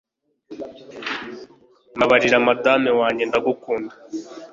Mbabarira Madame wanjye ndagukunda